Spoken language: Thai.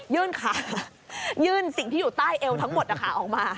ยื่นขายื่นสิ่งที่อยู่ใต้เอวทั้งหมดออกมา